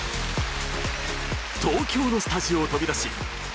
東京のスタジオを飛び出し